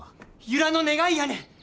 由良の願いやねん！